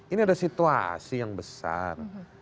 ini ada situasi yang besar